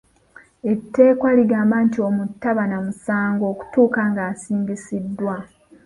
Etteeka ligamba nti omuntu taba na musango okutuuka nga asingisiddwa.